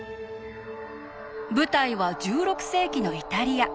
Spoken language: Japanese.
舞台は１６世紀のイタリア。